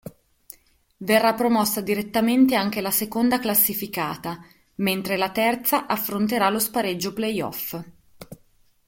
Verrà promossa direttamente anche la seconda classificata, mentre la terza affronterà lo spareggio play-off.